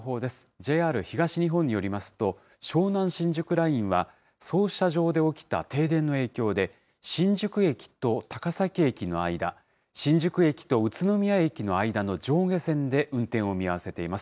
ＪＲ東日本によりますと、湘南新宿ラインは操車場で起きた停電の影響で、新宿駅と高崎駅の間、新宿駅と宇都宮駅の間の上下線で運転を見合わせています。